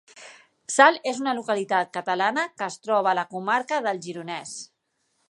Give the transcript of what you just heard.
Salt és una localitat catalana que es troba a la comarca del Gironès.